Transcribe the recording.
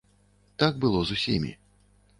Так было з усімі.